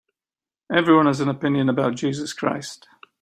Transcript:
Everyone has an opinion about Jesus Christ.